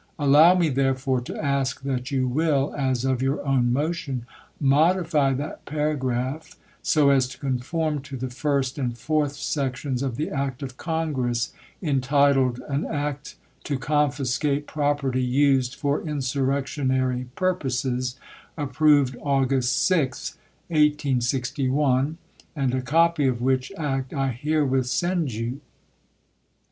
Allow me, therefore, to ask that you will, as of your own motion, modify that paragraph so as to conform to the first and fourth sections of the act of Congress entitled, "An act to confiscate property used for insurrectionary purposes," approved August 6, 1861, and a copy of which act I here with send you.